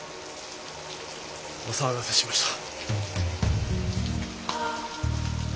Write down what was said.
お騒がせしました。